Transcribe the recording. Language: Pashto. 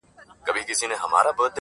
• ما خو خپل زړه هغې ته وركړى ډالۍ.